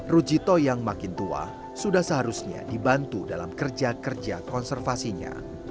rujito yang makin tua sudah seharusnya dibantu dalam kerja kerja konservasinya